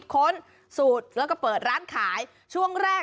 ส่วนเมนูที่ว่าคืออะไรติดตามในช่วงตลอดกิน